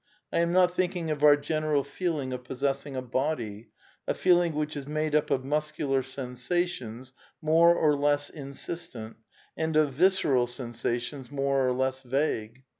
I am not thinking of our general feeling of possessing a body, a feeling which is made up of muscular sensations more or less insistent, and of visceral sensations more or less vague.